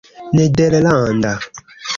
nederlanda